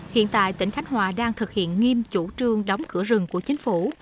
hiện tại tỉnh khánh hòa đang thực hiện nghiêm chủ trương đóng cửa rừng của chính phủ